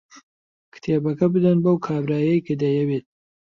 کتێبەکە بدەن بەو کابرایەی کە دەیەوێت.